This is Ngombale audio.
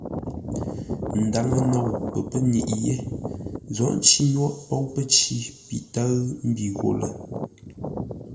Ndaŋə nou pəpə́nyiʼi yé, Nzoghʼ nci nyôghʼ póu pəcǐ pi tə́ʉ mbi gho lə.